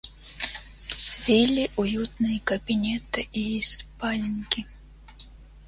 Свили уютные кабинеты и спаленки.